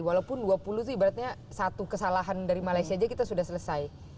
walaupun dua puluh itu ibaratnya satu kesalahan dari malaysia aja kita sudah selesai